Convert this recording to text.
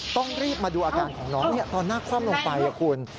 ต้องรีบมาดูอาการของน้องตอนหน้าคว่ำลงไปคุณ